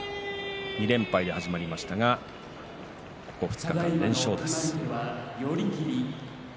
２連敗で始まりましたがここ２日間連勝です。